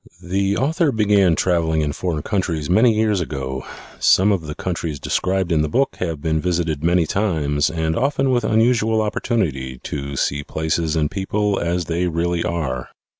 The author began traveling in foreign countries many years ago. Some of the countries described in the book have been visited many times and often with unusual opportunity to see places and people as they really are.